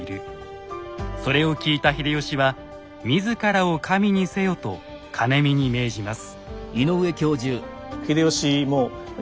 それを聞いた秀吉は自らを神にせよと兼見に命じます。